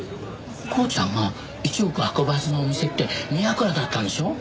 コウちゃんが１億運ぶはずのお店って「みやくら」だったんでしょ？